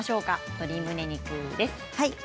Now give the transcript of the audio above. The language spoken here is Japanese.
鶏むね肉です。